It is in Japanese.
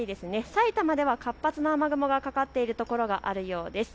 埼玉では活発な雨雲がかかっているところがあるようです。